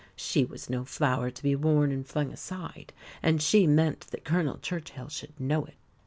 She was no flower to be worn and flung aside; and she meant that Colonel Churchill should know it.